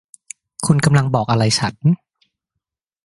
คุณกำลังบอกอะไรฉัน